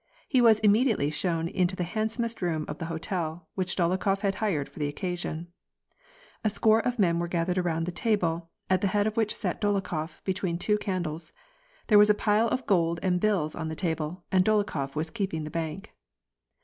He was immediately shown into the handsomest room of the hotel, which Dolokhof had hired for the occasion A score of men were gathered around the table, at the head of which sat Dolokhof, between two candles. There was a pile of gold aud bills on the table, and Dolokhof was keeping the bank.